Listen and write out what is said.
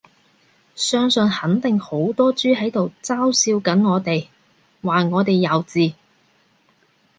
相信肯定好多豬喺度嘲笑緊我哋，話我哋幼稚